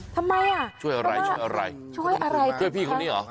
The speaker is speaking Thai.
ฮะช่วยอะไรช่วยพี่คนนี้หรอ